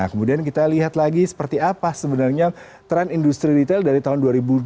nah kemudian kita lihat lagi seperti apa sebenarnya tren industri retail dari tahun dua ribu dua puluh satu dua ribu dua puluh dua